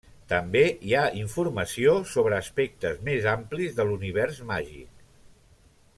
També hi ha informació sobre aspectes més amplis de l'univers màgic.